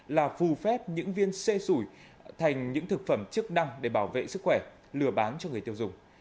là phù phép những viên xê sủi thành những thực phẩm chức năng để bảo vệ sức khỏe lừa bán cho người tiêu dùng